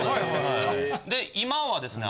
今はですね